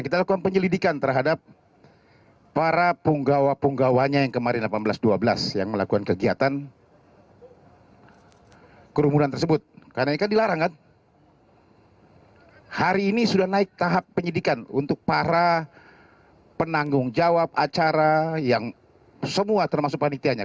tahap penyidikan untuk para penanggung jawab acara yang semua termasuk panitianya